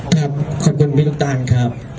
ครับขอบคุณพี่ทุกต่างครับ